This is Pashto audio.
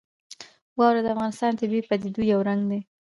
واوره د افغانستان د طبیعي پدیدو یو رنګ دی.